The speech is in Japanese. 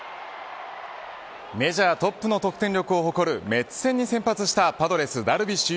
メジャートップの得点力を誇るメッツ戦に先発したパドレス、ダルビッシュ